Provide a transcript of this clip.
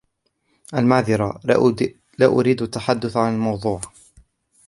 المعذرة ، لا أريد التحدث عن الموضوع.